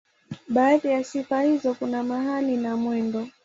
Baadhi ya sifa hizo kuna mahali na mwendo.